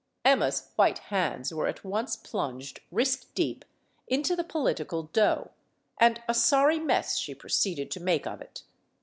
Emma's white hands were at once plunged, wrist deep, into the po litical dough; and a sorry mess she proceeded to make of it.